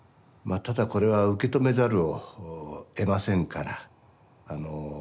まあただこれは受け止めざるをえませんから。